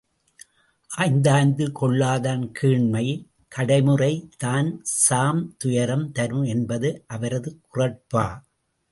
ஆய்ந்தாய்ந்து கொள்ளாதான் கேண்மை கடைமுறை தான்சாம் துயரம் தரும் என்பது அவரது குறட்பா.